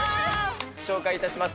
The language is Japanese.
紹介いたします。